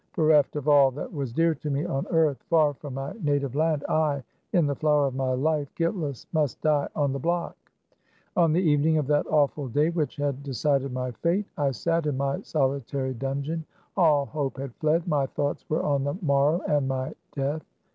Bereft of all that was dear to me on earth, far from my native land, I, in the flower of my life, guiltless, must die on the block ! On the evening of that awful day which had decided my fate, I sat in my solitary dungeon. All hope had fled. My thoughts were on the morrow, and my death.